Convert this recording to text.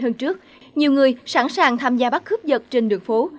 hơn trước nhiều người sẵn sàng tham gia bắt cướp giật trên đường phố